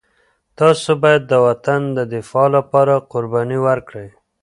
تاسو باید د وطن د دفاع لپاره قرباني ورکړئ.